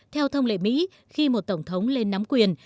theo thông lệ mỹ khi một tổng thống lên nắm quyền